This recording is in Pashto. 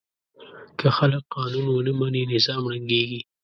که خلک قانون ونه مني، نظام ړنګېږي.